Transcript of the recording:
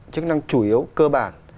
chức năng chủ yếu cơ bản